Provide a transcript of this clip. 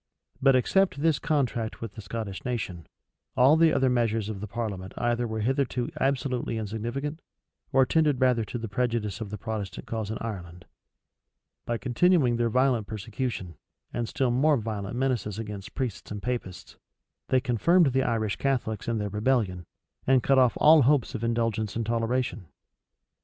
But except this contract with the Scottish nation, all the other measures of the parliament either were hitherto absolutely insignificant, or tended rather to the prejudice of the Protestant cause in Ireland. By continuing their violent persecution, and still more violent menaces against priests and Papists, they confirmed the Irish Catholics in their rebellion, and cut off all hopes of indulgence and toleration.